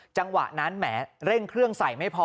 จังหวะนั้นแหมเร่งเครื่องใส่ไม่พอ